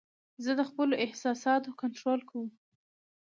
زه د خپلو احساساتو کنټرول کوم.